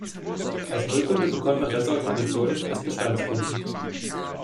Als Neukunde bekommt man bessere Konditionen als Bestandskunden.